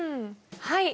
はい。